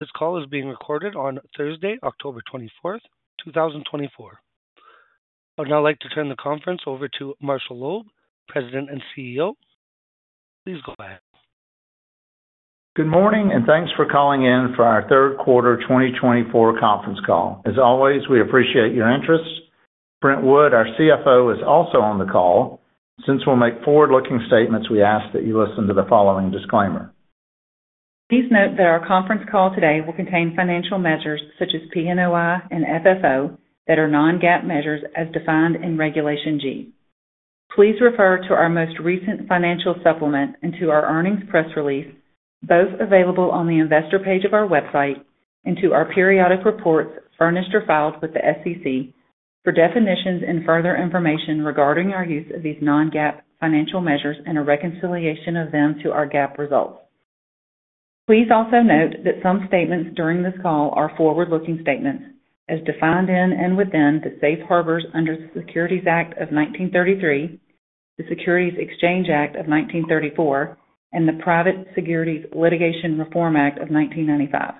This call is being recorded on Thursday, October 24th, 2024. I'd now like to turn the conference over to Marshall Loeb, President and CEO. Please go ahead. Good morning, and thanks for calling in for our third quarter 2024 conference call. As always, we appreciate your interest. Brent Wood, our CFO, is also on the call. Since we'll make forward-looking statements, we ask that you listen to the following disclaimer. Please note that our conference call today will contain financial measures such as PNOI and FFO that are non-GAAP measures as defined in Regulation G. Please refer to our most recent financial supplement and to our earnings press release, both available on the investor page of our website, and to our periodic reports furnished or filed with the SEC for definitions and further information regarding our use of these non-GAAP financial measures and a reconciliation of them to our GAAP results. Please also note that some statements during this call are forward-looking statements, as defined in and within the Safe Harbors under the Securities Act of 1933, the Securities Exchange Act of 1934, and the Private Securities Litigation Reform Act of 1995.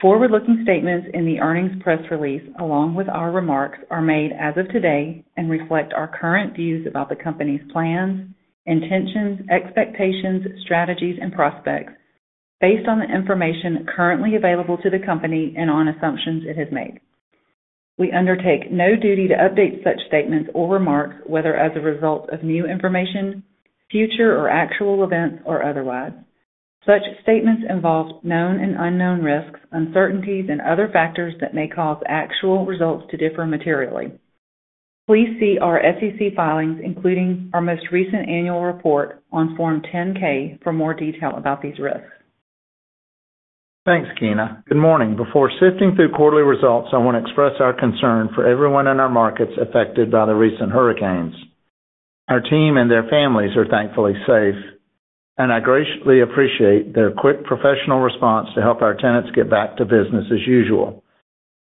Forward-looking statements in the earnings press release, along with our remarks, are made as of today and reflect our current views about the company's plans, intentions, expectations, strategies, and prospects based on the information currently available to the company and on assumptions it has made. We undertake no duty to update such statements or remarks, whether as a result of new information, future or actual events, or otherwise. Such statements involve known and unknown risks, uncertainties, and other factors that may cause actual results to differ materially. Please see our SEC filings, including our most recent annual report on Form 10-K, for more detail about these risks. Thanks, Keena. Good morning. Before sifting through quarterly results, I want to express our concern for everyone in our markets affected by the recent hurricanes. Our team and their families are thankfully safe, and I graciously appreciate their quick, professional response to help our tenants get back to business as usual.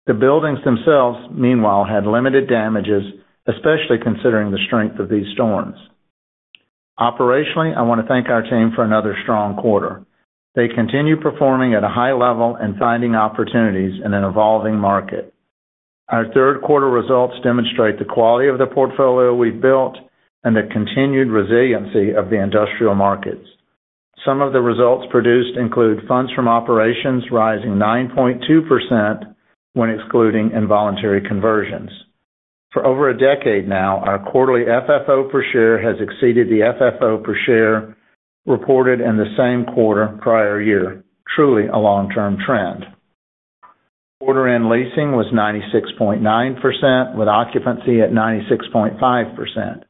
The buildings themselves, meanwhile, had limited damages, especially considering the strength of these storms. Operationally, I want to thank our team for another strong quarter. They continue performing at a high level and finding opportunities in an evolving market. Our third quarter results demonstrate the quality of the portfolio we've built and the continued resiliency of the industrial markets. Some of the results produced include funds from operations rising 9.2% when excluding involuntary conversions. For over a decade now, our quarterly FFO per share has exceeded the FFO per share reported in the same quarter prior year. Truly a long-term trend. Quarter end leasing was 96.9%, with occupancy at 96.5%.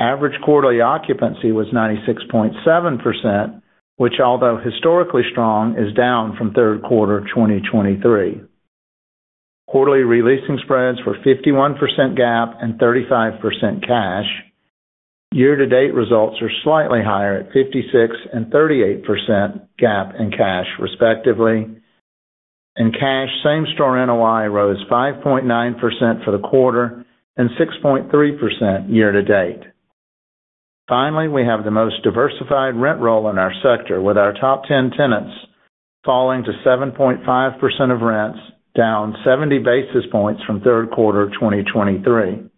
Average quarterly occupancy was 96.7%, which, although historically strong, is down from third quarter 2023. Quarterly re-leasing spreads were 51% GAAP and 35% cash. Year-to-date results are slightly higher at 56% and 38% GAAP and cash, respectively, and cash same-store NOI rose 5.9% for the quarter and 6.3% year to date. Finally, we have the most diversified rent roll in our sector, with our top 10 tenants falling to 7.5% of rents, down 70 basis points from third quarter 2023.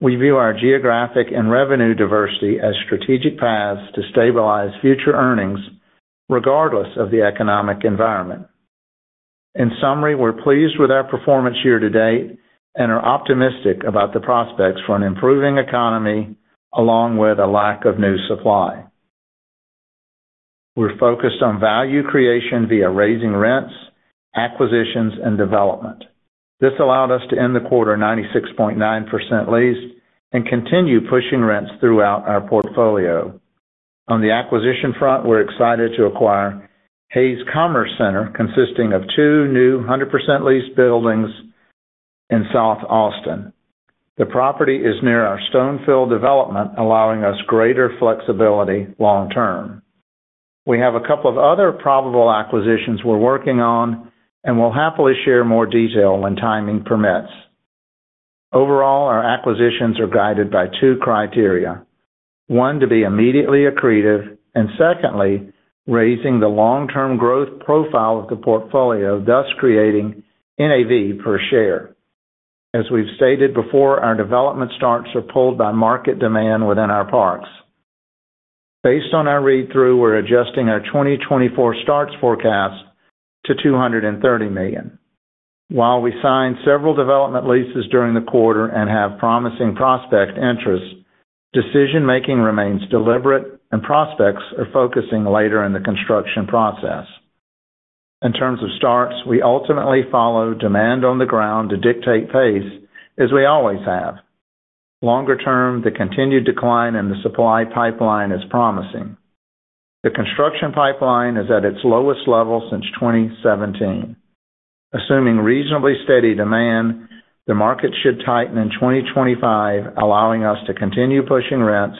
We view our geographic and revenue diversity as strategic paths to stabilize future earnings, regardless of the economic environment. In summary, we're pleased with our performance year to date and are optimistic about the prospects for an improving economy, along with a lack of new supply. We're focused on value creation via raising rents, acquisitions, and development. This allowed us to end the quarter 96.9% leased and continue pushing rents throughout our portfolio. On the acquisition front, we're excited to acquire Hays Commerce Center, consisting of two new 100% leased buildings in South Austin. The property is near our Stonefield development, allowing us greater flexibility long term. We have a couple of other probable acquisitions we're working on, and we'll happily share more detail when timing permits. Overall, our acquisitions are guided by two criteria. One, to be immediately accretive, and secondly, raising the long-term growth profile of the portfolio, thus creating NAV per share. As we've stated before, our development starts are pulled by market demand within our parks. Based on our read-through, we're adjusting our 2024 starts forecast to $230 million. While we signed several development leases during the quarter and have promising prospect interest, decision-making remains deliberate and prospects are focusing later in the construction process. In terms of starts, we ultimately follow demand on the ground to dictate pace, as we always have. Longer term, the continued decline in the supply pipeline is promising. The construction pipeline is at its lowest level since 2017. Assuming reasonably steady demand, the market should tighten in 2025, allowing us to continue pushing rents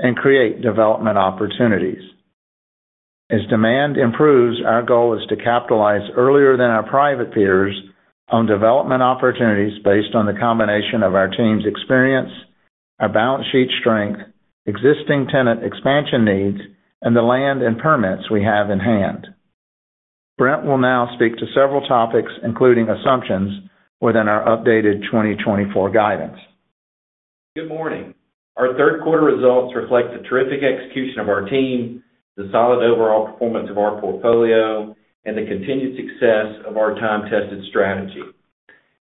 and create development opportunities. As demand improves, our goal is to capitalize earlier than our private peers on development opportunities based on the combination of our team's experience, our balance sheet strength, existing tenant expansion needs, and the land and permits we have in hand. Brent will now speak to several topics, including assumptions within our updated 2024 guidance. Good morning. Our third quarter results reflect the terrific execution of our team, the solid overall performance of our portfolio, and the continued success of our time-tested strategy.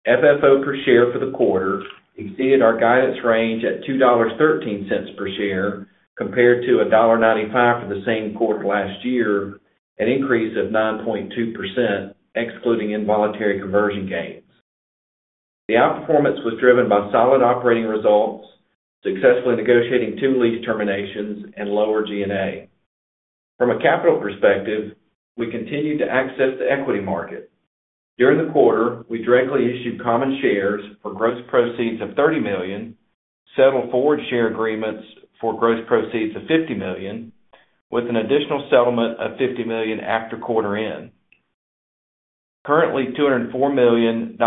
FFO per share for the quarter exceeded our guidance range at $2.13 per share, compared to $1.95 for the same quarter last year, an increase of 9.2%, excluding involuntary conversion gains. The outperformance was driven by solid operating results, successfully negotiating two lease terminations, and lower G&A. From a capital perspective, we continued to access the equity market. During the quarter, we directly issued common shares for gross proceeds of $30 million, settled forward share agreements for gross proceeds of $50 million, with an additional settlement of $50 million after quarter end. Currently, $204 million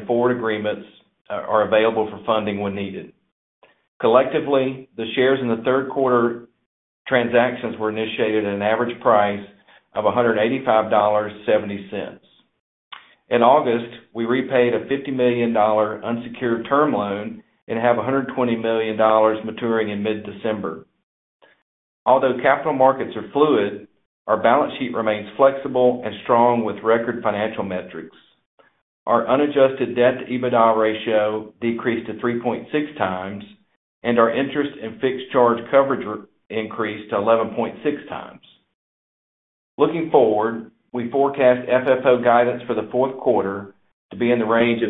in forward agreements are available for funding when needed. Collectively, the shares in the third quarter transactions were initiated at an average price of $185.70. In August, we repaid a $50 million unsecured term loan and have $120 million maturing in mid-December. Although capital markets are fluid, our balance sheet remains flexible and strong with record financial metrics. Our unadjusted debt-to-EBITDA ratio decreased to 3.6 times, and our interest and fixed charge coverage increased to 11.6 times. Looking forward, we forecast FFO guidance for the fourth quarter to be in the range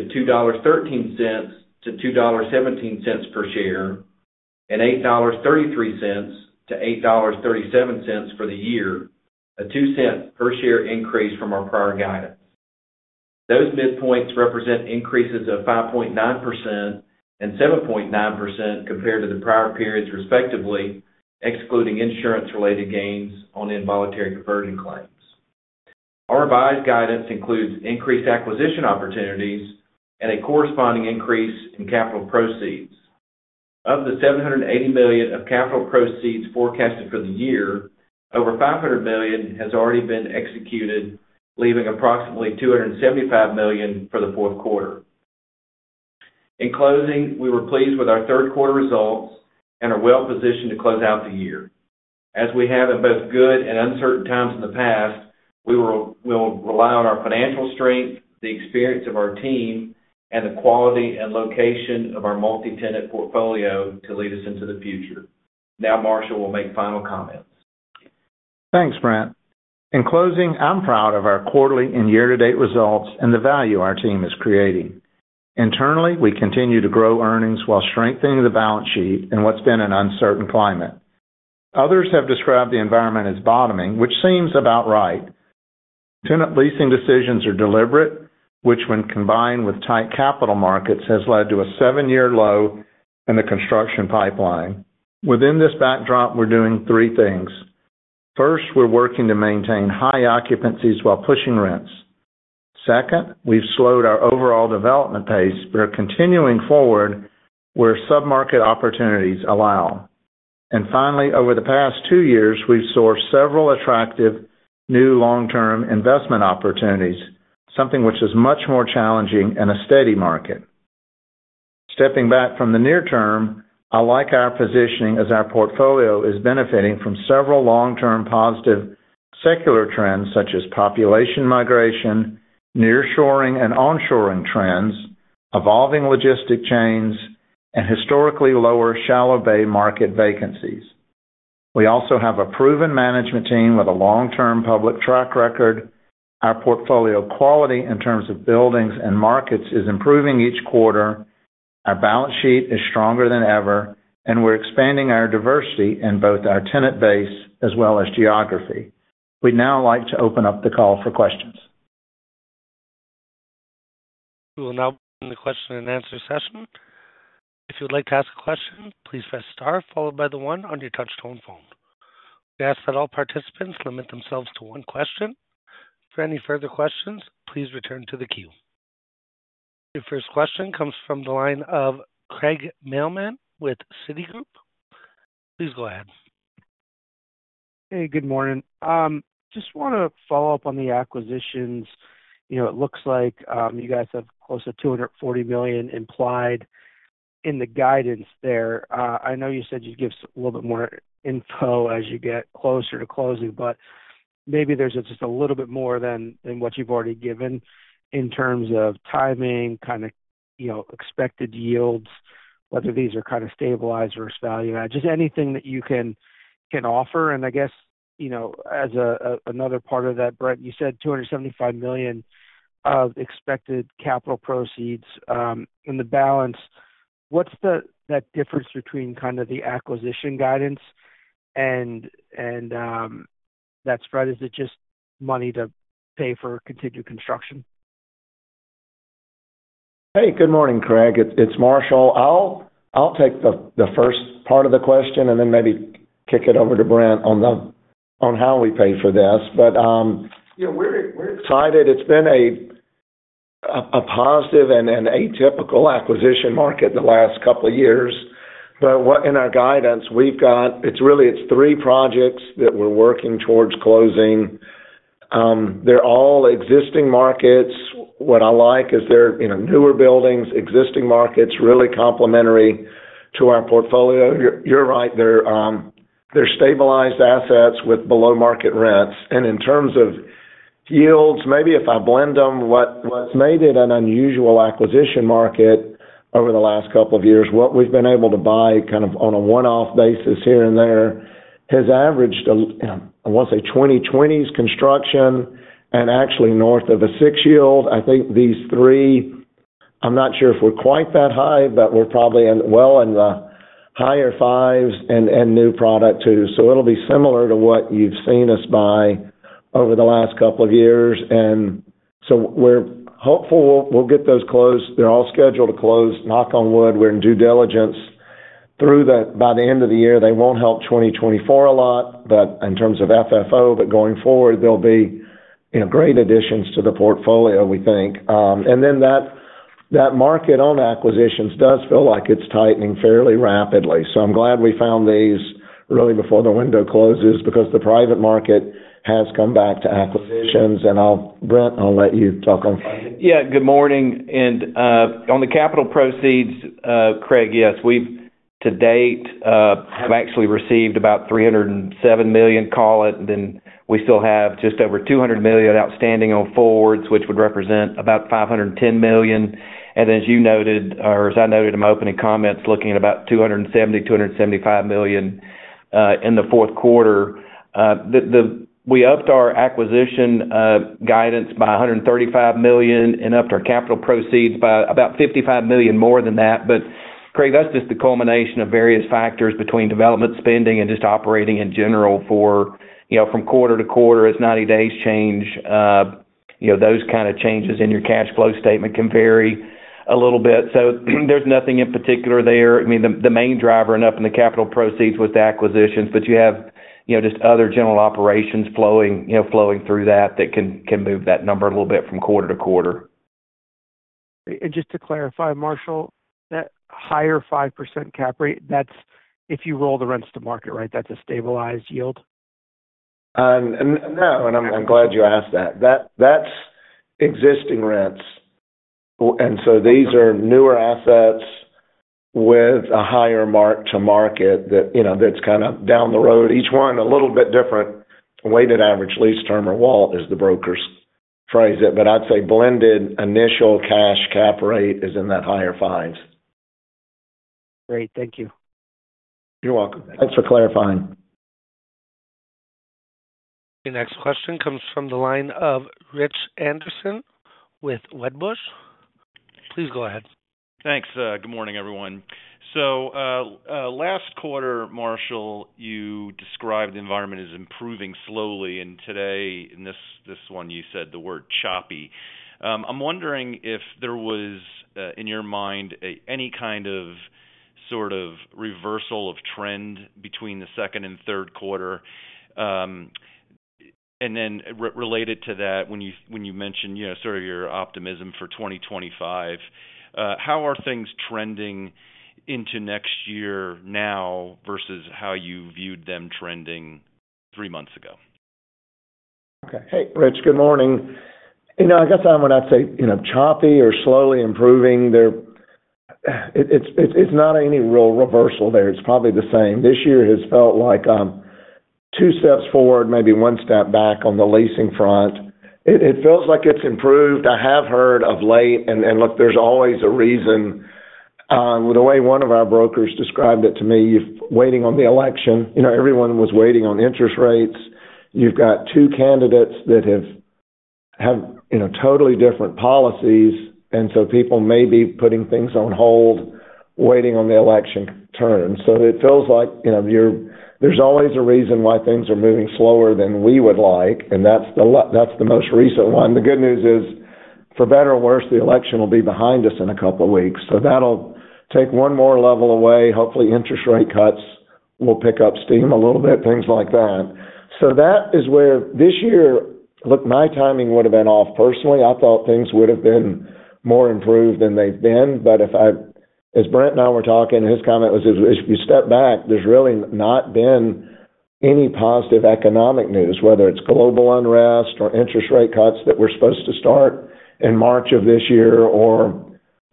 of $2.13-$2.17 per share, and $8.33-$8.37 for the year, a 2-cent per share increase from our prior guidance. Those midpoints represent increases of 5.9% and 7.9% compared to the prior periods, respectively, excluding insurance-related gains on involuntary conversion claims. Our revised guidance includes increased acquisition opportunities and a corresponding increase in capital proceeds. Of the $780 million of capital proceeds forecasted for the year, over $500 million has already been executed, leaving approximately $275 million for the fourth quarter. In closing, we were pleased with our third quarter results and are well positioned to close out the year. As we have in both good and uncertain times in the past, we will rely on our financial strength, the experience of our team, and the quality and location of our multi-tenant portfolio to lead us into the future. Now, Marshall will make final comments. Thanks, Brent. In closing, I'm proud of our quarterly and year-to-date results and the value our team is creating. Internally, we continue to grow earnings while strengthening the balance sheet in what's been an uncertain climate. Others have described the environment as bottoming, which seems about right. Tenant leasing decisions are deliberate, which when combined with tight capital markets, has led to a seven-year low in the construction pipeline. Within this backdrop, we're doing three things: First, we're working to maintain high occupancies while pushing rents. Second, we've slowed our overall development pace, but are continuing forward where submarket opportunities allow. And finally, over the past two years, we've sourced several attractive new long-term investment opportunities, something which is much more challenging in a steady market. Stepping back from the near term, I like our positioning as our portfolio is benefiting from several long-term positive secular trends, such as population migration, nearshoring and onshoring trends, evolving logistics chains, and historically lower shallow bay market vacancies. We also have a proven management team with a long-term public track record. Our portfolio quality, in terms of buildings and markets, is improving each quarter. Our balance sheet is stronger than ever, and we're expanding our diversity in both our tenant base as well as geography. We'd now like to open up the call for questions. We will now begin the question and answer session. If you'd like to ask a question, please press star followed by the one on your touch tone phone. We ask that all participants limit themselves to one question. For any further questions, please return to the queue. Your first question comes from the line of Craig Mailman with Citigroup. Please go ahead. Hey, good morning. Just wanna follow up on the acquisitions. You know, it looks like you guys have close to $240 million implied in the guidance there. I know you said you'd give us a little bit more info as you get closer to closing, but maybe there's just a little bit more than what you've already given in terms of timing, kind of, you know, expected yields, whether these are kind of stabilized versus value add, just anything that you can offer. And I guess, you know, as another part of that, Brent, you said $275 million of expected capital proceeds in the balance. What's that difference between kind of the acquisition guidance and that spread? Is it just money to pay for continued construction? Hey, good morning, Craig. It's Marshall. I'll take the first part of the question and then maybe kick it over to Brent on how we pay for this. But, you know, we're excited. It's been a...... a positive and an atypical acquisition market the last couple of years. But in our guidance, we've got it's really, it's three projects that we're working towards closing. They're all existing markets. What I like is they're, you know, newer buildings, existing markets, really complementary to our portfolio. You're right, they're stabilized assets with below-market rents. And in terms of yields, maybe if I blend them, what's made it an unusual acquisition market over the last couple of years, what we've been able to buy kind of on a one-off basis here and there, has averaged, I want to say 2020s construction and actually north of a six yield. I think these three, I'm not sure if we're quite that high, but we're probably, well, in the higher 5s and new product, too. So it'll be similar to what you've seen us buy over the last couple of years, and so we're hopeful we'll get those closed. They're all scheduled to close. Knock on wood, we're in due diligence through the end of the year. They won't help 2024 a lot, but in terms of FFO, but going forward, they'll be, you know, great additions to the portfolio, we think. And then that, that market on acquisitions does feel like it's tightening fairly rapidly. So I'm glad we found these really before the window closes, because the private market has come back to acquisitions. And I'll, Brent, I'll let you talk on. Yeah, good morning. And, on the capital proceeds, Craig, yes, we've, to date, have actually received about $307 million, call it, and then we still have just over $200 million outstanding on forwards, which would represent about $510 million. And as you noted, or as I noted in my opening comments, looking at about $270-$275 million in the fourth quarter. We upped our acquisition guidance by $135 million and upped our capital proceeds by about $55 million more than that. But Craig, that's just the culmination of various factors between development spending and just operating in general for, you know, from quarter to quarter, as 90 days change, you know, those kind of changes in your cash flow statement can vary a little bit. So there's nothing in particular there. I mean, the main driver and up in the capital proceeds was the acquisitions, but you have, you know, just other general operations flowing, you know, through that can move that number a little bit from quarter to quarter. Just to clarify, Marshall, that higher 5% cap rate, that's if you roll the rents to market, right? That's a stabilized yield? No, and I'm glad you asked that. That, that's existing rents. And so these are newer assets with a higher mark to market that, you know, that's kind of down the road. Each one, a little bit different, weighted average lease term, or WALT, is how the brokers phrase it, but I'd say blended initial cash cap rate is in that higher 5s. Great. Thank you. You're welcome. Thanks for clarifying. Your next question comes from the line of Rich Anderson with Wedbush. Please go ahead. Thanks. Good morning, everyone. Last quarter, Marshall, you described the environment as improving slowly, and today, in this one, you said the word choppy. I'm wondering if there was, in your mind, any kind of, sort of reversal of trend between the second and third quarter. And then related to that, when you mentioned, you know, sort of your optimism for 2025, how are things trending into next year now versus how you viewed them trending three months ago? Okay. Hey, Rich, good morning. You know, I guess when I say, you know, choppy or slowly improving, there. It's not any real reversal there. It's probably the same. This year has felt like two steps forward, maybe one step back on the leasing front. It feels like it's improved. I have heard of late, and look, there's always a reason. The way one of our brokers described it to me, you're waiting on the election. You know, everyone was waiting on interest rates. You've got two candidates that have, you know, totally different policies, and so people may be putting things on hold, waiting on the election turn. So it feels like, you know, there's always a reason why things are moving slower than we would like, and that's the most recent one. The good news is, for better or worse, the election will be behind us in a couple of weeks, so that'll take one more level away. Hopefully, interest rate cuts will pick up steam a little bit, things like that. So that is where this year... Look, my timing would have been off. Personally, I thought things would have been more improved than they've been, but if I, as Brent and I were talking, his comment was, as you step back, there's really not been any positive economic news, whether it's global unrest or interest rate cuts that were supposed to start in March of this year, or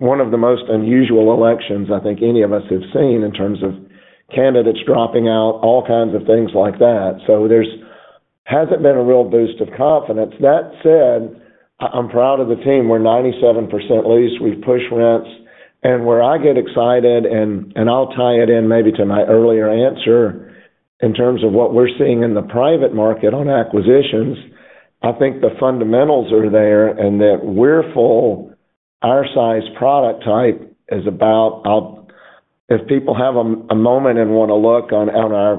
one of the most unusual elections I think any of us have seen in terms of candidates dropping out, all kinds of things like that. So there hasn't been a real boost of confidence. That said, I'm proud of the team. We're 97% leased. We've pushed rents, and where I get excited, and I'll tie it in maybe to my earlier answer, in terms of what we're seeing in the private market on acquisitions, I think the fundamentals are there and that we're full. Our size product type is about. I'll if people have a moment and want to look on our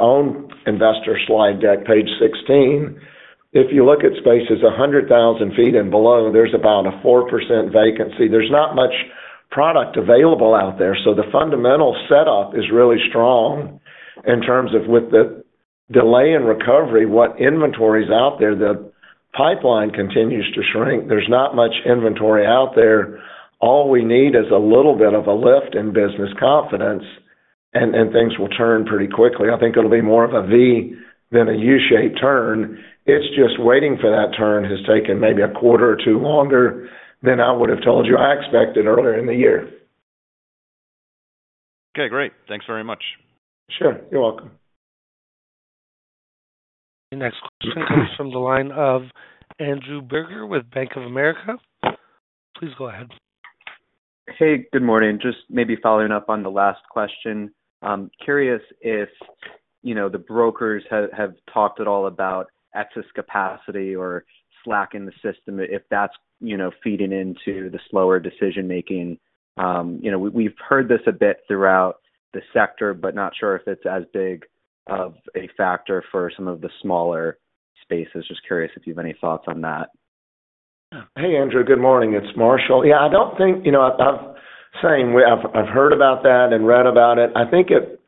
own investor slide deck, page 16, if you look at spaces 100,000 sq ft and below, there's about a 4% vacancy. There's not much product available out there, so the fundamental setup is really strong. In terms of with the delay in recovery, what inventory is out there, the pipeline continues to shrink. There's not much inventory out there. All we need is a little bit of a lift in business confidence, and things will turn pretty quickly. I think it'll be more of a V than a U-shaped turn. It's just waiting for that turn has taken maybe a quarter or two longer than I would have told you I expected earlier in the year. Okay, great. Thanks very much. Sure. You're welcome. The next question comes from the line of Andrew Berger with Bank of America. Please go ahead. Hey, good morning. Just maybe following up on the last question. Curious if, you know, the brokers have talked at all about excess capacity or slack in the system, if that's, you know, feeding into the slower decision-making. You know, we've heard this a bit throughout the sector, but not sure if it's as big of a factor for some of the smaller spaces. Just curious if you have any thoughts on that. Hey, Andrew. Good morning. It's Marshall. Yeah, I don't think, you know, I've been saying we've heard about that and read about it. I think it.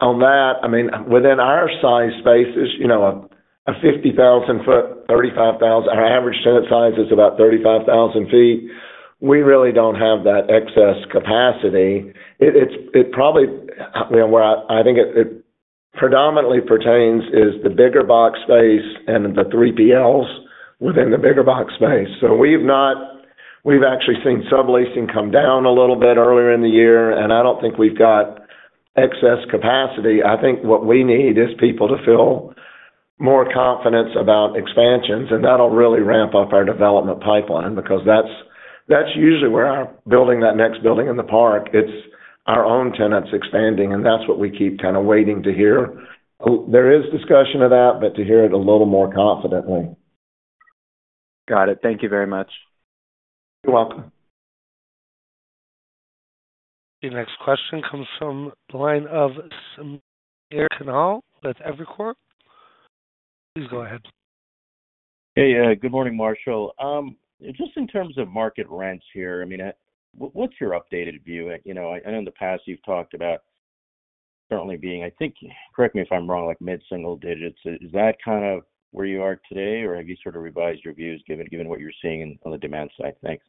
On that, I mean, within our size spaces, you know, a 50,000-foot, 35,000- our average tenant size is about 35,000 feet. We really don't have that excess capacity. It's probably, you know, where I think it predominantly pertains is the bigger box space and the 3PLs within the bigger box space. So we've actually seen some leasing come down a little bit earlier in the year, and I don't think we've got excess capacity. I think what we need is people to feel more confidence about expansions, and that'll really ramp up our development pipeline, because that's, that's usually where our building, that next building in the park, it's our own tenants expanding, and that's what we keep kind of waiting to hear. There is discussion of that, but to hear it a little more confidently. Got it. Thank you very much. You're welcome. The next question comes from the line of Samir Khanal with Evercore. Please go ahead. Hey, good morning, Marshall. Just in terms of market rents here, I mean, what's your updated view? You know, I know in the past you've talked about currently being, I think, correct me if I'm wrong, like, mid-single digits. Is that kind of where you are today, or have you sort of revised your views given what you're seeing on the demand side? Thanks.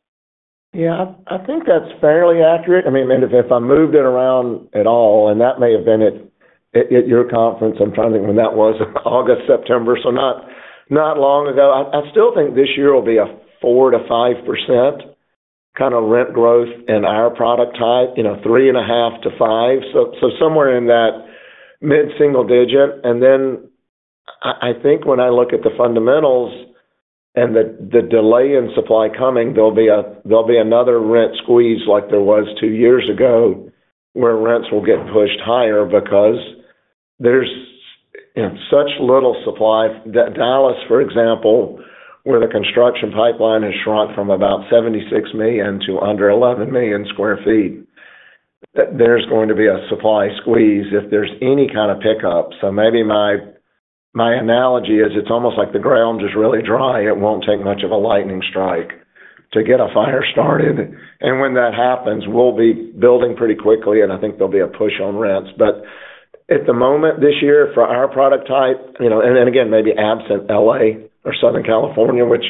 Yeah, I think that's fairly accurate. I mean, if I moved it around at all, and that may have been at your conference, I'm trying to think when that was, August, September, so not long ago. I still think this year will be a 4%-5% kind of rent growth in our product type, you know, 3.5%-5%. So somewhere in that mid-single digit. And then I think when I look at the fundamentals and the delay in supply coming, there'll be another rent squeeze like there was two years ago, where rents will get pushed higher because there's, you know, such little supply. Dallas, for example, where the construction pipeline has shrunk from about 76 million sq ft to under 11 million sq ft, there's going to be a supply squeeze if there's any kind of pickup. So maybe my analogy is it's almost like the ground is really dry. It won't take much of a lightning strike to get a fire started, and when that happens, we'll be building pretty quickly, and I think there'll be a push on rents. But at the moment, this year, for our product type, you know, and then again, maybe absent LA or Southern California, which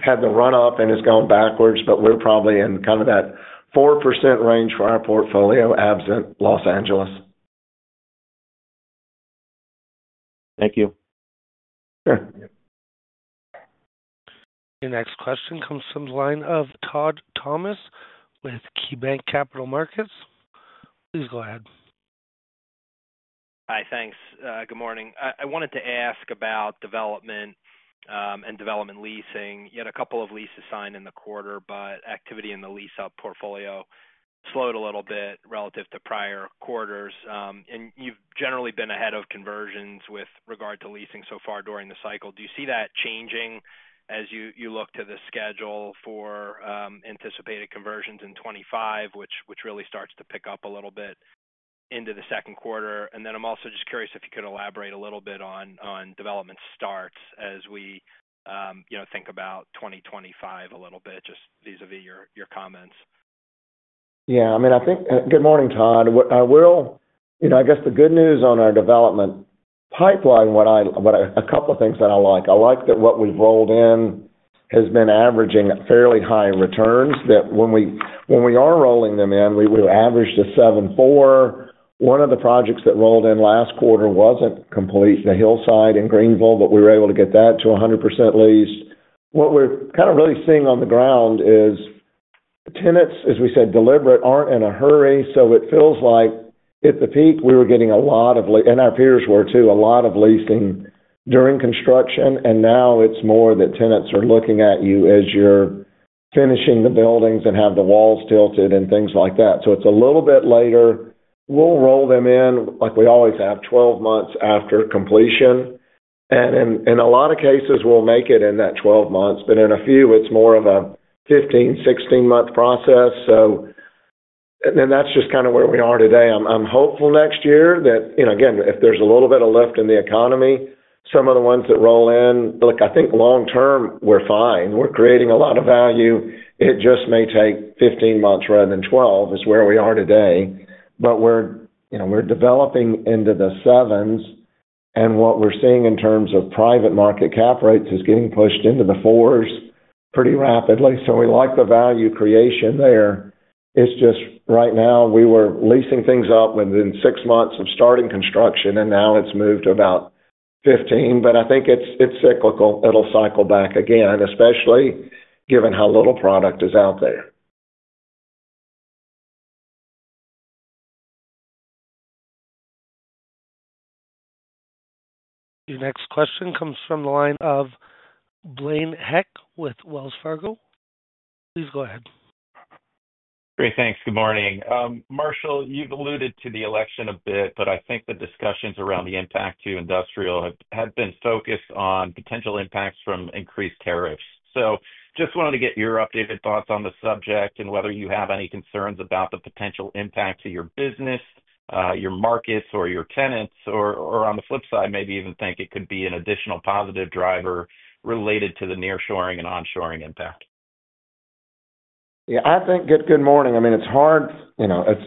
had the run-up and has gone backwards, but we're probably in kind of that 4% range for our portfolio, absent Los Angeles. Thank you. Sure. Your next question comes from the line of Todd Thomas with KeyBanc Capital Markets. Please go ahead. Hi, thanks. Good morning. I wanted to ask about development and development leasing. You had a couple of leases signed in the quarter, but activity in the lease-up portfolio slowed a little bit relative to prior quarters, and you've generally been ahead of conversions with regard to leasing so far during the cycle. Do you see that changing as you look to the schedule for anticipated conversions in 2025, which really starts to pick up a little bit into the second quarter? And then I'm also just curious if you could elaborate a little bit on development starts as we you know think about 2025 a little bit, just vis-a-vis your comments. Yeah, I mean, I think good morning, Todd. What I will. You know, I guess the good news on our development pipeline, what I. A couple of things that I like. I like that what we've rolled in has been averaging fairly high returns, that when we are rolling them in, we average to 7.4. One of the projects that rolled in last quarter wasn't complete, the Hillside in Greenville, but we were able to get that to 100% leased. What we're kind of really seeing on the ground is tenants, as we said, deliberate, aren't in a hurry, so it feels like at the peak, we were getting a lot of leasing and our peers were, too, a lot of leasing during construction, and now it's more that tenants are looking at you as you're finishing the buildings and have the walls tilted and things like that. So it's a little bit later. We'll roll them in, like we always have, twelve months after completion, and in a lot of cases, we'll make it in that twelve months, but in a few, it's more of a 15, 16-month process. So, and that's just kind of where we are today. I'm hopeful next year that, you know, again, if there's a little bit of lift in the economy-... Some of the ones that roll in. Look, I think long term, we're fine. We're creating a lot of value. It just may take fifteen months rather than twelve, is where we are today. But we're, you know, we're developing into the 7s, and what we're seeing in terms of private market cap rates is getting pushed into the 4s pretty rapidly. So we like the value creation there. It's just right now, we were leasing things up within six months of starting construction, and now it's moved to about fifteen. But I think it's, it's cyclical. It'll cycle back again, especially given how little product is out there. Your next question comes from the line of Blaine Heck with Wells Fargo. Please go ahead. Great. Thanks. Good morning. Marshall, you've alluded to the election a bit, but I think the discussions around the impact to industrial have been focused on potential impacts from increased tariffs. So just wanted to get your updated thoughts on the subject and whether you have any concerns about the potential impact to your business, your markets, or your tenants, or on the flip side, maybe even think it could be an additional positive driver related to the nearshoring and onshoring impact. Yeah, I think good morning. I mean, it's hard, you know, it's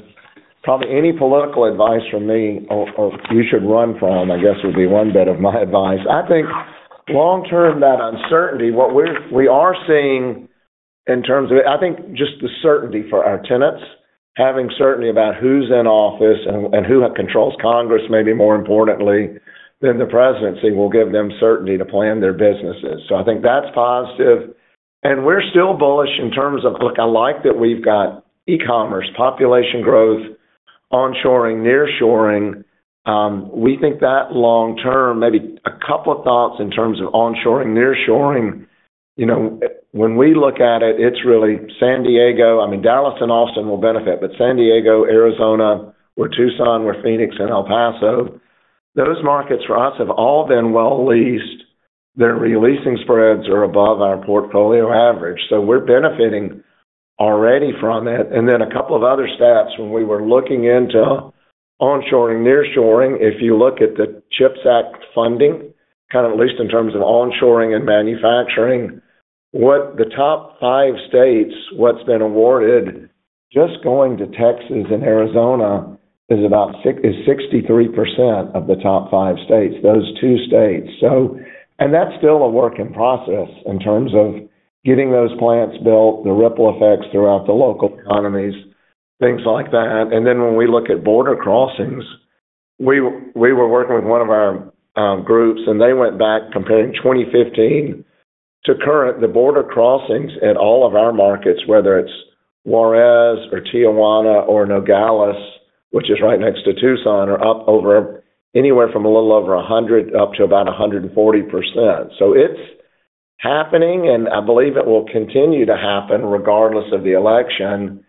probably any political advice from me, or you should run from, I guess, would be one bit of my advice. I think long term, that uncertainty, what we're seeing in terms of. I think just the certainty for our tenants, having certainty about who's in office and who controls Congress, maybe more importantly than the presidency, will give them certainty to plan their businesses. So I think that's positive. And we're still bullish in terms of, look, I like that we've got e-commerce, population growth, onshoring, nearshoring. We think that long term, maybe a couple of thoughts in terms of onshoring, nearshoring. You know, when we look at it, it's really San Diego. I mean, Dallas and Austin will benefit, but San Diego, Arizona, or Tucson, or Phoenix, and El Paso, those markets for us have all been well leased. Their re-leasing spreads are above our portfolio average, so we're benefiting already from it. And then a couple of other stats. When we were looking into onshoring, nearshoring, if you look at the CHIPS Act funding, kind of at least in terms of onshoring and manufacturing, what the top five states, what's been awarded, just going to Texas and Arizona is about 63% of the top five states, those two states. So. And that's still a work in process in terms of getting those plants built, the ripple effects throughout the local economies, things like that. Then when we look at border crossings, we were working with one of our groups, and they went back, comparing 2015 to current, the border crossings in all of our markets, whether it's Juárez or Tijuana or Nogales, which is right next to Tucson, are up over anywhere from a little over 100% up to about 140%. So it's happening, and I believe it will continue to happen regardless of the election.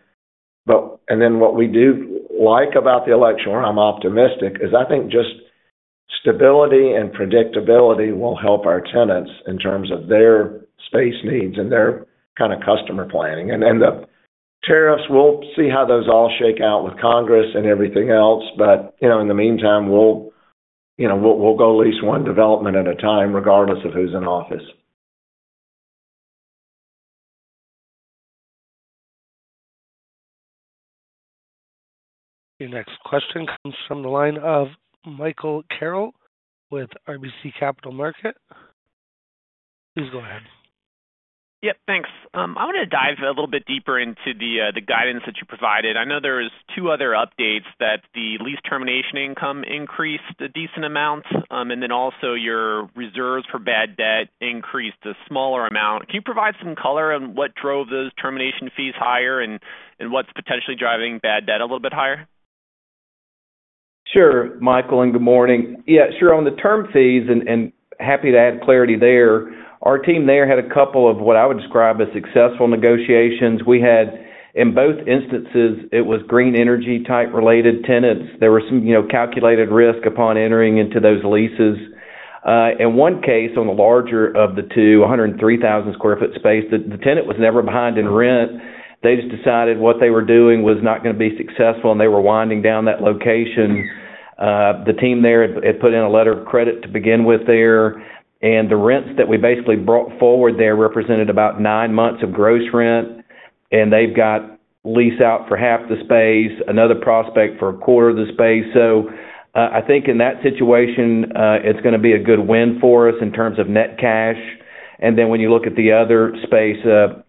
But and then what we do like about the election, where I'm optimistic, is I think just stability and predictability will help our tenants in terms of their space needs and their kind of customer planning. Then the tariffs, we'll see how those all shake out with Congress and everything else, but, you know, in the meantime, you know, we'll go lease one development at a time, regardless of who's in office. Your next question comes from the line of Michael Carroll with RBC Capital Markets. Please go ahead. Yep, thanks. I want to dive a little bit deeper into the, the guidance that you provided. I know there's two other updates that the lease termination income increased a decent amount, and then also your reserves for bad debt increased a smaller amount. Can you provide some color on what drove those termination fees higher and, and what's potentially driving bad debt a little bit higher? Sure, Michael, and good morning. Yeah, sure. On the term fees, and happy to add clarity there, our team there had a couple of what I would describe as successful negotiations. We had, in both instances, it was green energy type related tenants. There were some, you know, calculated risk upon entering into those leases. In one case, on the larger of the two, a 103,000 sq ft space, the tenant was never behind in rent. They just decided what they were doing was not gonna be successful, and they were winding down that location. The team there had put in a letter of credit to begin with there, and the rents that we basically brought forward there represented about nine months of gross rent, and they've got lease out for half the space, another prospect for a quarter of the space. So, I think in that situation, it's gonna be a good win for us in terms of net cash. And then when you look at the other space that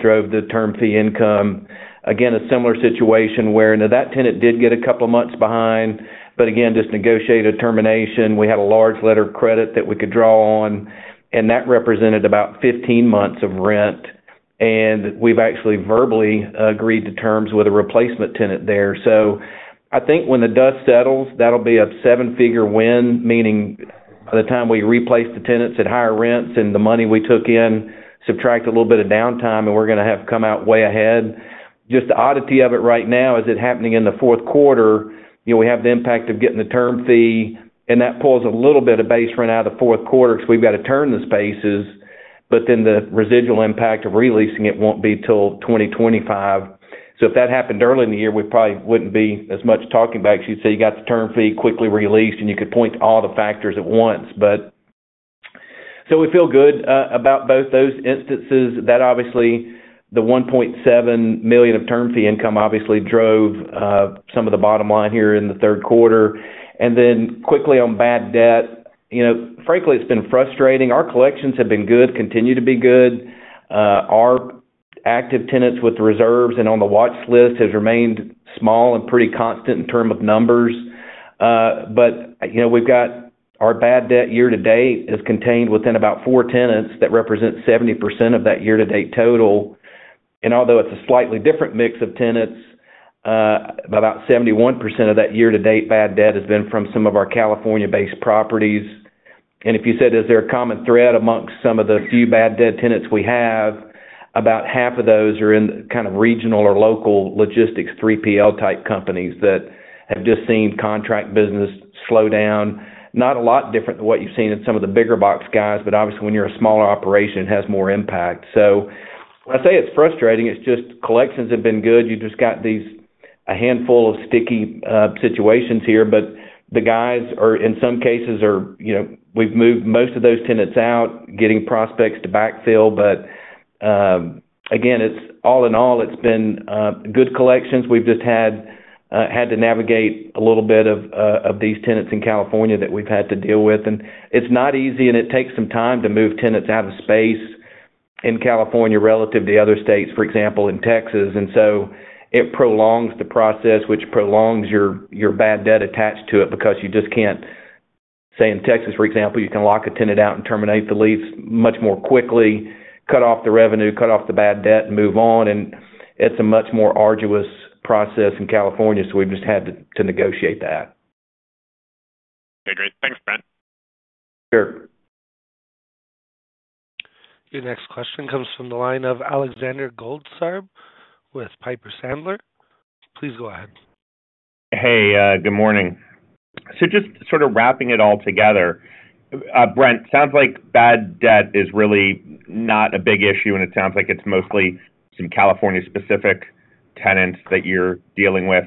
drove the term fee income, again, a similar situation where, you know, that tenant did get a couple of months behind, but again, just negotiated a termination. We had a large letter of credit that we could draw on, and that represented about 15 months of rent, and we've actually verbally agreed to terms with a replacement tenant there. So I think when the dust settles, that'll be a seven-figure win, meaning by the time we replace the tenants at higher rents and the money we took in, subtract a little bit of downtime, and we're gonna have come out way ahead. Just the oddity of it right now, is it happening in the fourth quarter? You know, we have the impact of getting the term fee, and that pulls a little bit of base rent out of the fourth quarter because we've got to turn the spaces.... but then the residual impact of releasing it won't be till 2025. So if that happened early in the year, we probably wouldn't be as much talking about it, 'cause you'd say you got the term fee quickly released, and you could point to all the factors at once. But, so we feel good about both those instances. That, obviously, the $1.7 million of term fee income, obviously drove some of the bottom line here in the third quarter. And then quickly on bad debt, you know, frankly, it's been frustrating. Our collections have been good, continue to be good. Our active tenants with the reserves and on the watchlist has remained small and pretty constant in term of numbers. But, you know, we've got our bad debt year-to-date is contained within about four tenants that represent 70% of that year-to-date total. And although it's a slightly different mix of tenants, about 71% of that year-to-date bad debt has been from some of our California-based properties. And if you said, is there a common thread amongst some of the few bad debt tenants we have? About half of those are in kind of regional or local logistics, 3PL-type companies that have just seen contract business slow down. Not a lot different than what you've seen in some of the bigger box guys, but obviously, when you're a smaller operation, it has more impact. So when I say it's frustrating, it's just collections have been good. You just got these, a handful of sticky situations here, but the guys are, in some cases, you know... We've moved most of those tenants out, getting prospects to backfill. But again, it's all in all, it's been good collections. We've just had to navigate a little bit of these tenants in California that we've had to deal with, and it's not easy, and it takes some time to move tenants out of space in California relative to other states, for example, in Texas. And so it prolongs the process, which prolongs your bad debt attached to it because you just can't, say, in Texas, for example, you can lock a tenant out and terminate the lease much more quickly, cut off the revenue, cut off the bad debt, and move on. And it's a much more arduous process in California, so we've just had to negotiate that. Okay, great. Thanks, Brent. Sure. Your next question comes from the line of Alexander Goldfarb with Piper Sandler. Please go ahead. Hey, good morning, so just sort of wrapping it all together, Brent, sounds like bad debt is really not a big issue, and it sounds like it's mostly some California-specific tenants that you're dealing with,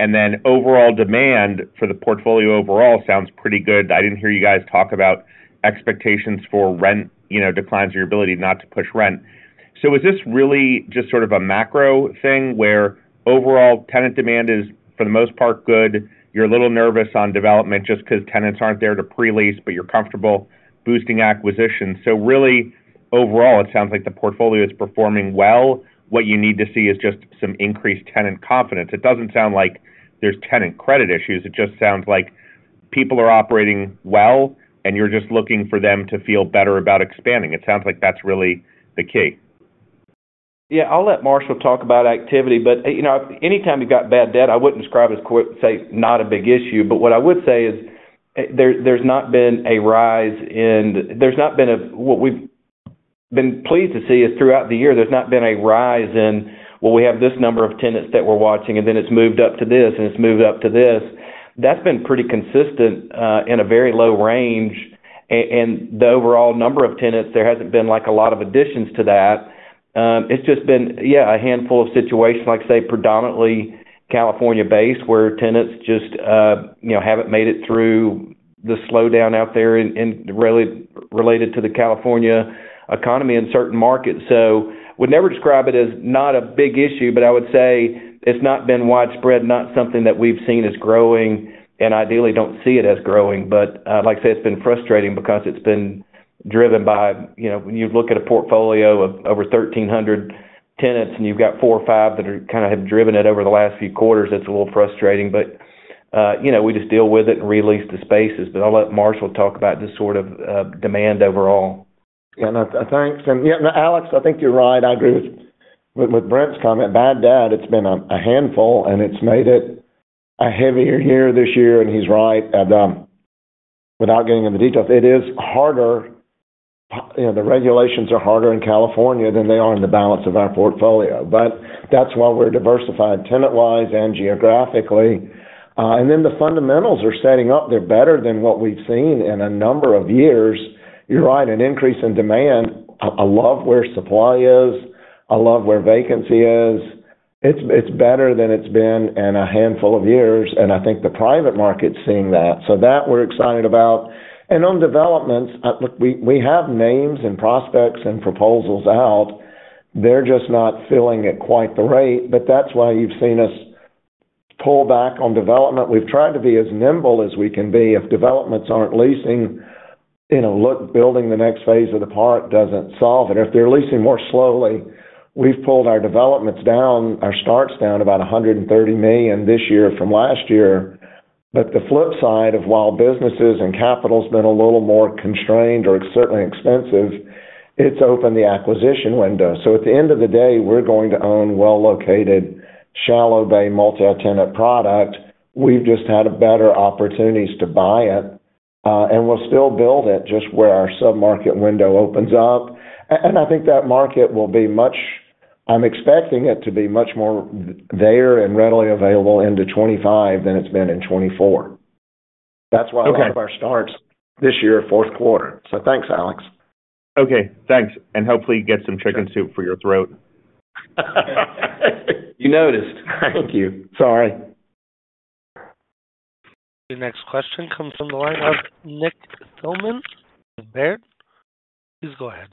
and then overall demand for the portfolio overall sounds pretty good. I didn't hear you guys talk about expectations for rent, you know, declines or your ability not to push rent, so is this really just sort of a macro thing where overall tenant demand is, for the most part, good, you're a little nervous on development just 'cause tenants aren't there to pre-lease, but you're comfortable boosting acquisition? So really, overall, it sounds like the portfolio is performing well. What you need to see is just some increased tenant confidence. It doesn't sound like there's tenant credit issues. It just sounds like people are operating well, and you're just looking for them to feel better about expanding. It sounds like that's really the key. Yeah, I'll let Marshall talk about activity, but, you know, anytime you got bad debt, I wouldn't describe it as, quote, say, "Not a big issue," but what I would say is there, there's not been a rise in-- there's not been a... What we've been pleased to see is throughout the year, there's not been a rise in, well, we have this number of tenants that we're watching, and then it's moved up to this, and it's moved up to this. That's been pretty consistent in a very low range. And the overall number of tenants, there hasn't been, like, a lot of additions to that. It's just been, yeah, a handful of situations, like, say, predominantly California-based, where tenants just, you know, haven't made it through the slowdown out there and related to the California economy in certain markets. So would never describe it as not a big issue, but I would say it's not been widespread, not something that we've seen as growing and ideally don't see it as growing. But, like I said, it's been frustrating because it's been driven by, you know, when you look at a portfolio of over 1,300 tenants, and you've got four or five that are kind of have driven it over the last few quarters, it's a little frustrating, but, you know, we just deal with it and re-lease the spaces. But I'll let Marshall talk about the sort of demand overall. Yeah, Alex, I think you're right. I agree with Brent's comment. Bad debt, it's been a handful, and it's made it a heavier year this year, and he's right. Without getting into the details, it is harder, you know, the regulations are harder in California than they are in the balance of our portfolio. But that's why we're diversified tenant-wise and geographically. Then the fundamentals are setting up. They're better than what we've seen in a number of years. You're right, an increase in demand. I love where supply is. I love where vacancy is. It's better than it's been in a handful of years, and I think the private market's seeing that. So that we're excited about. On developments, look, we have names and prospects and proposals out. They're just not filling at quite the rate, but that's why you've seen us pull back on development. We've tried to be as nimble as we can be. If developments aren't leasing, you know, look, building the next phase of the park doesn't solve it. If they're leasing more slowly, we've pulled our developments down, our starts down, about $130 million this year from last year, but the flip side of while businesses and capital's been a little more constrained or certainly expensive, it's opened the acquisition window, so at the end of the day, we're going to own well-located, shallow bay, multi-tenant product. We've just had better opportunities to buy it, and we'll still build it just where our sub-market window opens up. And I think that market will be much, I'm expecting it to be much more there and readily available into 2025 than it's been in 2024. That's why a lot of our starts this year are fourth quarter, so thanks, Alex. Okay, thanks, and hopefully get some chicken soup for your throat. You noticed? Thank you. Sorry. The next question comes from the line of Nick Thillman from Baird. Please go ahead.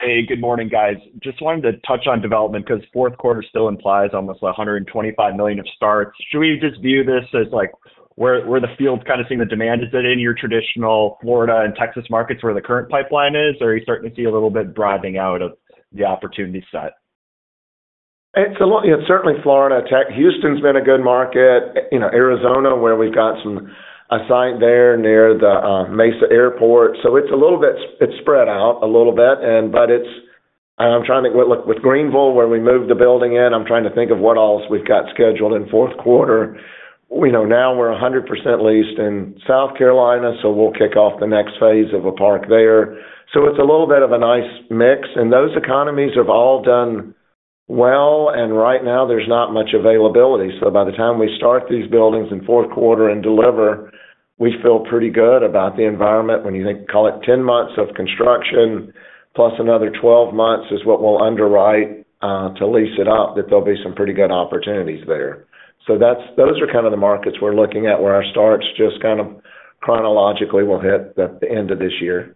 Hey, good morning, guys. Just wanted to touch on development, 'cause fourth quarter still implies almost $125 million of starts. Should we just view this as, like, where, where the field's kind of seeing the demand? Is it in your traditional Florida and Texas markets, where the current pipeline is, or are you starting to see a little bit driving out of the opportunity set? It's a lot. It's certainly Florida. Texas. Houston's been a good market. You know, Arizona, where we've got some, a site there near the Mesa Airport. So it's a little bit, it's spread out a little bit, and but it's... I'm trying to think, with, look, with Greenville, where we moved the building in, I'm trying to think of what else we've got scheduled in fourth quarter. We know now we're 100% leased in South Carolina, so we'll kick off the next phase of a park there. So it's a little bit of a nice mix, and those economies have all done well, and right now there's not much availability. So by the time we start these buildings in fourth quarter and deliver, we feel pretty good about the environment. When you think, call it 10 months of construction plus another 12 months, is what we'll underwrite to lease it up, that there'll be some pretty good opportunities there. So that's, those are kind of the markets we're looking at, where our starts just kind of chronologically will hit at the end of this year.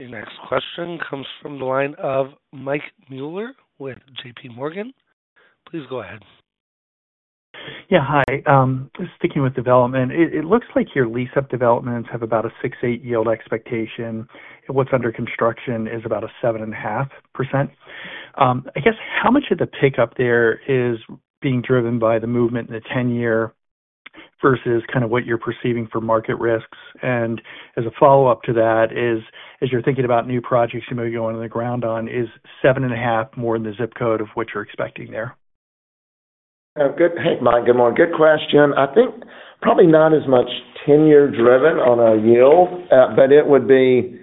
The next question comes from the line of Mike Mueller with JPMorgan. Please go ahead. Yeah, hi. Just sticking with development, it looks like your lease-up developments have about a 6-8% yield expectation, and what's under construction is about a 7.5%. I guess, how much of the pickup there is being driven by the movement in the 10-year versus kind of what you're perceiving for market risks? And as a follow-up to that is, as you're thinking about new projects you may be going on the ground on, is 7.5% more in the zip code of what you're expecting there? Good. Hey, Mike, good morning. Good question. I think probably not as much ten-year driven on a yield, but it would be.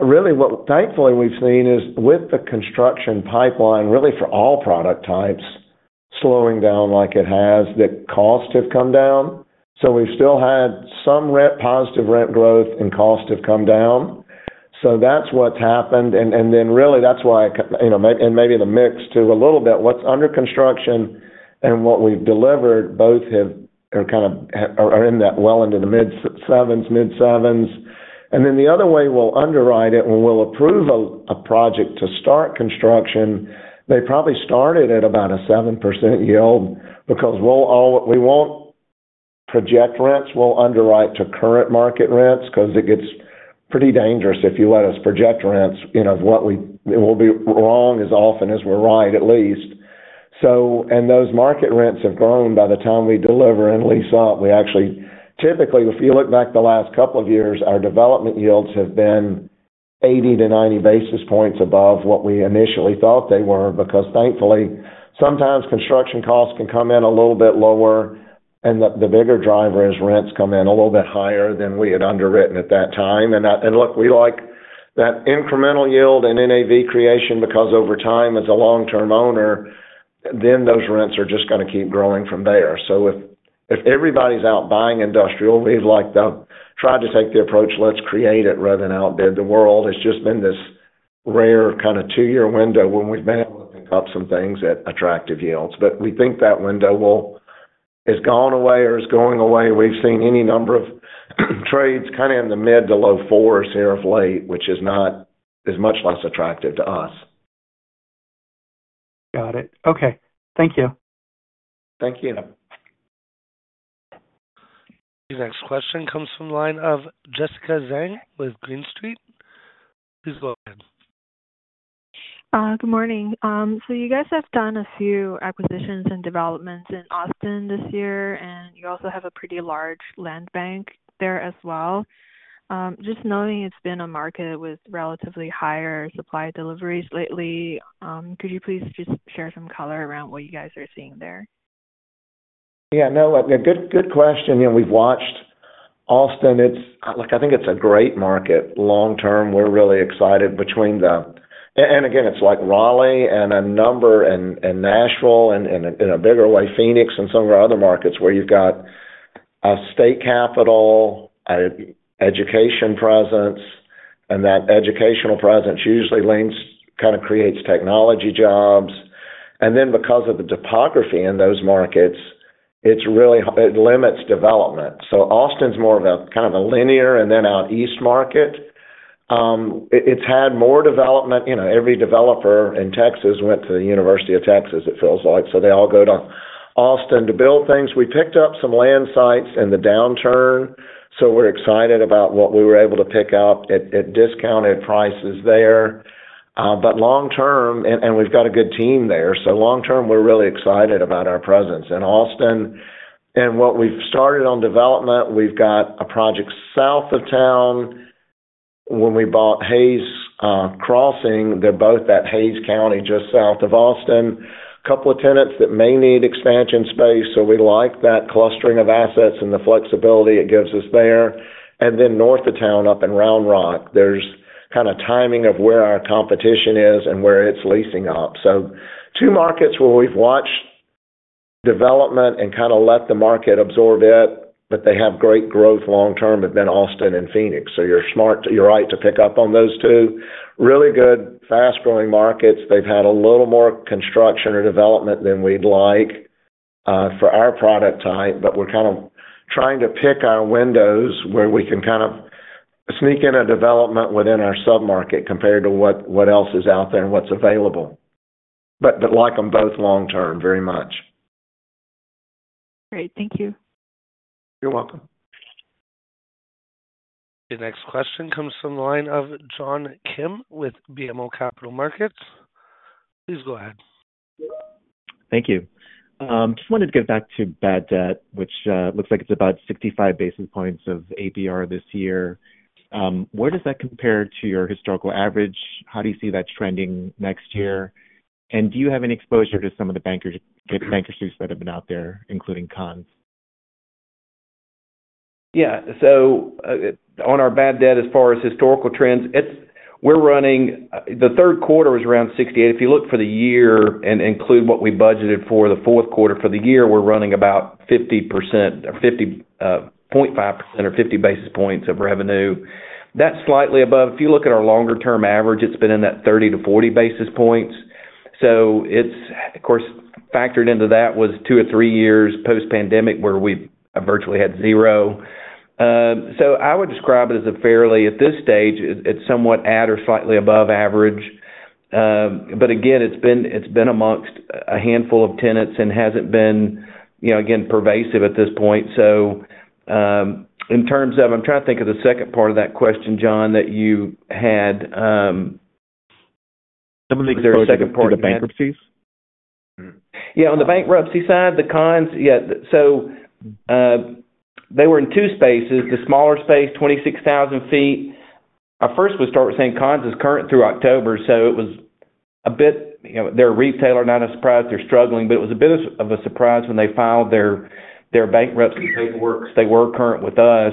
Really, what thankfully we've seen is, with the construction pipeline, really for all product types, slowing down like it has, the costs have come down. So we've still had some rent, positive rent growth and costs have come down. So that's what's happened. And then really, that's why, you know, maybe, and maybe the mix too, a little bit. What's under construction and what we've delivered, both are kind of in that well into the mid-7s. And then the other way we'll underwrite it. When we'll approve a project to start construction, it probably started at about a 7% yield because we won't project rents. We'll underwrite to current market rents, 'cause it gets pretty dangerous if you let us project rents. You know, we'll be wrong as often as we're right, at least. So, and those market rents have grown by the time we deliver and lease out. We actually, typically, if you look back the last couple of years, our development yields have been 80 to 90 basis points above what we initially thought they were, because thankfully, sometimes construction costs can come in a little bit lower, and the bigger driver is rents come in a little bit higher than we had underwritten at that time. Look, we like that incremental yield and NAV creation, because over time, as a long-term owner, those rents are just gonna keep growing from there. If everybody's out buying industrial, we'd like to try to take the approach, let's create it rather than outbid the world. It's just been this rare kind of two-year window when we've been able to pick up some things at attractive yields. We think that window has gone away or is going away. We've seen any number of trades kind of in the mid to low 4s here of late, which is much less attractive to us. Got it. Okay. Thank you. Thank you. The next question comes from the line of Jessica Zheng, with Green Street. Please go ahead. Good morning, so you guys have done a few acquisitions and developments in Austin this year, and you also have a pretty large land bank there as well. Just knowing it's been a market with relatively higher supply deliveries lately, could you please just share some color around what you guys are seeing there? Yeah, no, good, good question. You know, we've watched Austin. It's, look, I think it's a great market. Long term, we're really excited between the... And, and again, it's like Raleigh and a number, and, and Nashville and, and, and a bigger, like Phoenix and some of our other markets, where you've got a state capital, an education presence, and that educational presence usually links, kind of creates technology jobs. And then because of the topography in those markets, it's really, it limits development. So Austin's more of a, kind of a linear and then out east market. It's had more development. You know, every developer in Texas went to the University of Texas, it feels like. So they all go to Austin to build things. We picked up some land sites in the downturn, so we're excited about what we were able to pick up at discounted prices there. But long term, and we've got a good team there, so long term, we're really excited about our presence in Austin. What we've started on development, we've got a project south of town when we bought Hays Crossing. They're both at Hays County, just south of Austin. Couple of tenants that may need expansion space, so we like that clustering of assets and the flexibility it gives us there. Then north of town, up in Round Rock, there's kind of timing of where our competition is and where it's leasing up. Two markets where we've watched development and kind of let the market absorb it, but they have great growth long term, have been Austin and Phoenix. You're smart—you're right to pick up on those two. Really good, fast-growing markets. They've had a little more construction or development than we'd like for our product type, but we're kind of trying to pick our windows where we can kind of sneak in a development within our submarket compared to what else is out there and what's available. But like them both long-term, very much. Great. Thank you. You're welcome. The next question comes from the line of John Kim with BMO Capital Markets. Please go ahead. Thank you. Just wanted to get back to bad debt, which looks like it's about 65 basis points of ABR this year. Where does that compare to your historical average? How do you see that trending next year? And do you have any exposure to some of the bankruptcies that have been out there, including Conn's? Yeah. So, on our bad debt, as far as historical trends, it's. We're running. The third quarter was around 68. If you look for the year and include what we budgeted for the fourth quarter, for the year, we're running about 50% or 0.5% or 50 basis points of revenue. That's slightly above. If you look at our longer-term average, it's been in that 30 to 40 basis points. So it's, of course, factored into that was 2 or 3 years post-pandemic, where we virtually had zero. So I would describe it as a fairly. At this stage, it's somewhat at or slightly above average. But again, it's been amongst a handful of tenants and hasn't been, you know, again, pervasive at this point. So, in terms of... I'm trying to think of the second part of that question, John, that you had, was there a second part of that? I believe the exposure to the bankruptcies. Yeah, on the bankruptcy side, the Conn's. Yeah, so, they were in two spaces, the smaller space, 26,000 sq ft. I first would start with saying Conn's is current through October, so it was a bit, you know, they're a retailer, not a surprise, they're struggling, but it was a bit of a surprise when they filed their bankruptcy paperwork. They were current with us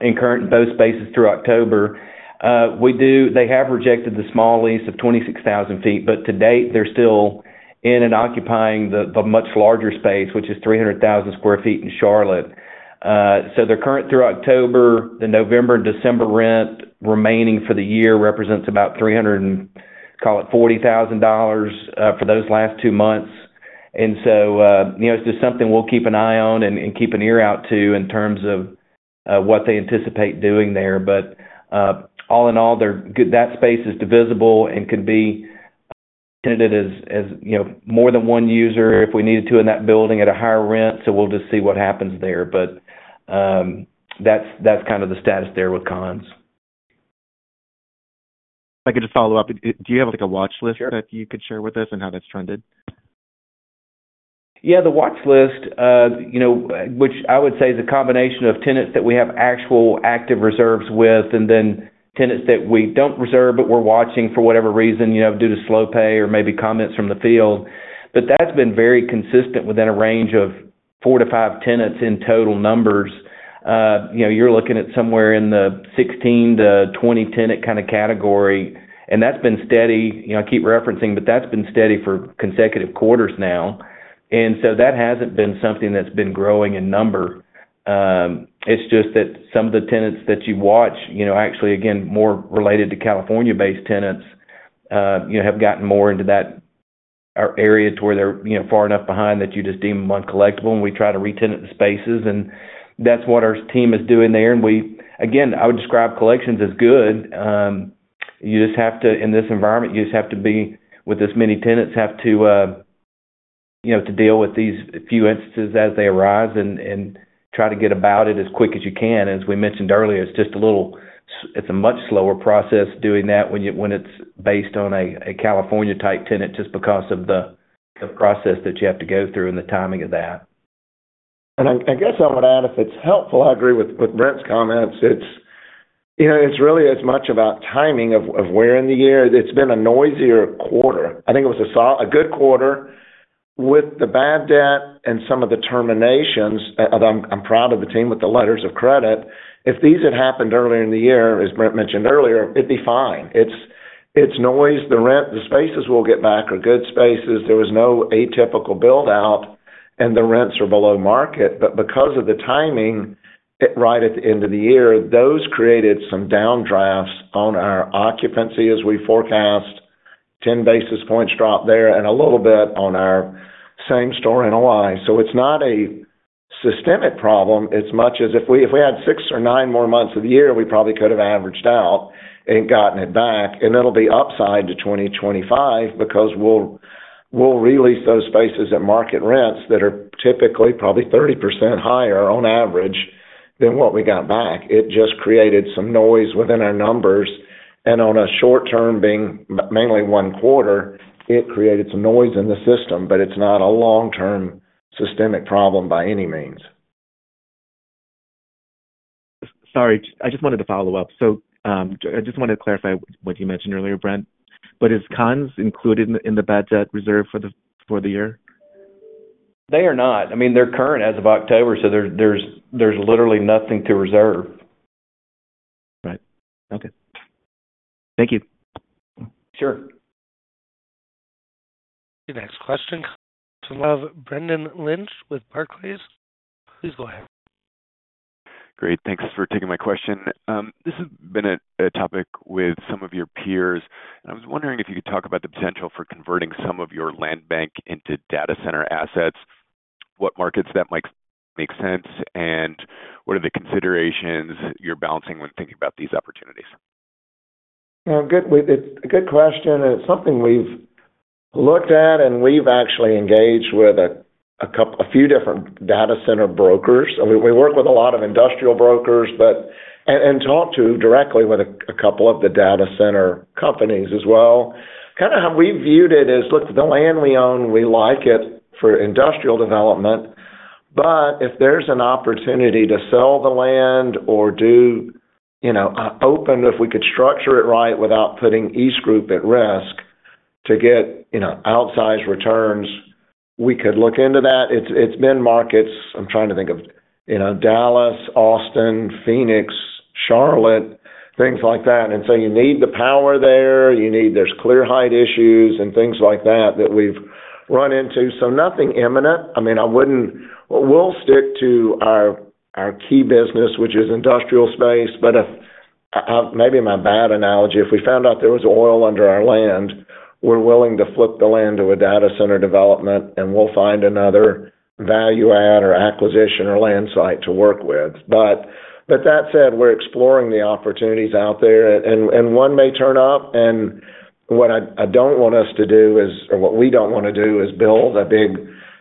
and current in both spaces through October. They have rejected the small lease of 26,000 sq ft, but to date, they're still in and occupying the much larger space, which is 300,000 sq ft in Charlotte. So they're current through October. The November, December rent remaining for the year represents about $340,000 for those last two months. And so, you know, it's just something we'll keep an eye on and keep an ear out to in terms of what they anticipate doing there. But all in all, that space is divisible and could be tenanted as, you know, more than one user if we needed to, in that building at a higher rent. So we'll just see what happens there. But that's kind of the status there with Conn's. If I could just follow up. Do you have, like, a watch list- Sure. That you could share with us and how that's trended? Yeah, the watch list, you know, which I would say is a combination of tenants that we have actual active reserves with and then tenants that we don't reserve, but we're watching for whatever reason, you know, due to slow pay or maybe comments from the field. But that's been very consistent within a range of four to five tenants in total numbers. You know, you're looking at somewhere in the 16-20 tenant kind of category, and that's been steady. You know, I keep referencing, but that's been steady for consecutive quarters now, and so that hasn't been something that's been growing in number. It's just that some of the tenants that you watch, you know, actually, again, more related to California-based tenants, you know, have gotten more into that areas where they're, you know, far enough behind that you just deem them uncollectible, and we try to re-tenant the spaces, and that's what our team is doing there. And we again, I would describe collections as good. You just have to, in this environment, you just have to be with as many tenants, have to, you know, to deal with these few instances as they arise and try to get about it as quick as you can. As we mentioned earlier, it's just a little... It's a much slower process doing that when it's based on a California-type tenant, just because of the process that you have to go through and the timing of that. I guess I would add, if it's helpful, I agree with Brent's comments. It's, you know, it's really as much about timing of where in the year. It's been a noisier quarter. I think it was a good quarter. With the bad debt and some of the terminations, I'm proud of the team with the letters of credit. If these had happened earlier in the year, as Brent mentioned earlier, it'd be fine. It's noise. The rent, the spaces we'll get back are good spaces. There was no atypical build-out, and the rents are below market. But because of the timing, right at the end of the year, those created some downdrafts on our occupancy as we forecast, ten basis points drop there and a little bit on our same-store NOI. So it's not a systemic problem as much as if we had six or nine more months of the year, we probably could have averaged out and gotten it back. And it'll be upside to 2025 because we'll re-lease those spaces at market rents that are typically probably 30% higher on average than what we got back. It just created some noise within our numbers, and on a short term, being mainly one quarter, it created some noise in the system, but it's not a long-term systemic problem by any means. Sorry, I just wanted to follow up. I just wanted to clarify what you mentioned earlier, Brent. Is Conn's included in the bad debt reserve for the year? They are not. I mean, they're current as of October, so there's literally nothing to reserve. Right. Okay. Thank you. Sure. The next question comes from Brendan Lynch with Barclays. Please go ahead. Great, thanks for taking my question. This has been a topic with some of your peers, and I was wondering if you could talk about the potential for converting some of your land bank into data center assets, what markets that might make sense, and what are the considerations you're balancing when thinking about these opportunities? A good question, and it's something we've looked at, and we've actually engaged with a few different data center brokers. We work with a lot of industrial brokers, but and talked to directly with a couple of the data center companies as well. Kinda how we viewed it is, look, the land we own, we like it for industrial development, but if there's an opportunity to sell the land or do, you know, open, if we could structure it right without putting EastGroup at risk to get, you know, outsized returns, we could look into that. It's been markets. I'm trying to think of, you know, Dallas, Austin, Phoenix, Charlotte, things like that. And so you need the power there, you need there's clear height issues and things like that, that we've run into. So nothing imminent. I mean, I wouldn't. We'll stick to our key business, which is industrial space, but maybe my bad analogy, if we found out there was oil under our land, we're willing to flip the land to a data center development, and we'll find another value add or acquisition or land site to work with. But with that said, we're exploring the opportunities out there, and one may turn up, and what we don't wanna do is build a big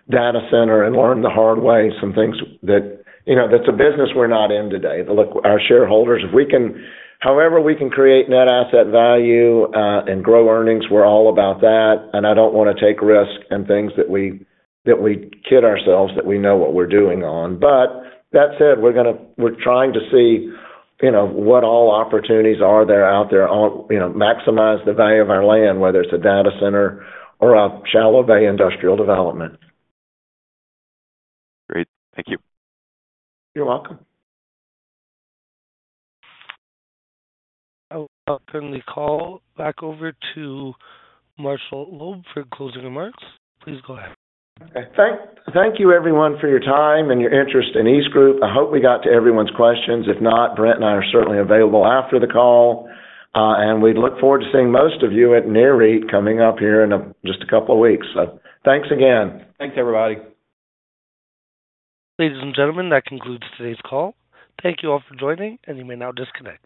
data center and learn the hard way some things that, you know, that's a business we're not in today. Look, our shareholders, if we can, however we can create net asset value and grow earnings, we're all about that, and I don't wanna take risks and things that we kid ourselves that we know what we're doing on. But that said, we're gonna, we're trying to see, you know, what all opportunities are there out there, on, you know, maximize the value of our land, whether it's a data center or a shallow bay industrial development. Great. Thank you. You're welcome. I will welcome the call back over to Marshall Loeb for closing remarks. Please go ahead. Okay. Thank you everyone for your time and your interest in EastGroup. I hope we got to everyone's questions. If not, Brent and I are certainly available after the call, and we look forward to seeing most of you at NAREIT, coming up here in just a couple of weeks. Thanks again. Thanks, everybody. Ladies and gentlemen, that concludes today's call. Thank you all for joining, and you may now disconnect.